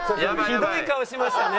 ひどい顔しましたね。